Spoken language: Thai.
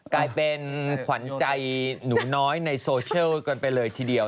กลายเป็นขวัญใจหนูน้อยในโซเชียลกันไปเลยทีเดียว